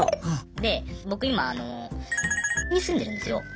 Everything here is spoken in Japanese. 僕今に住んでるんすよ。